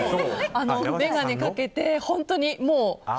眼鏡かけて、本当にもう。